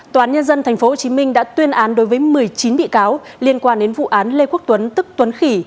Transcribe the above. tòa án nhân dân tp hcm đã tuyên án đối với một mươi chín bị cáo liên quan đến vụ án lê quốc tuấn tức tuấn khỉ